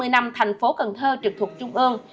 năm thành phố cần thơ trực thuộc trung ương